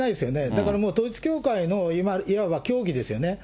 だから、もう統一教会のいわば教義ですよね。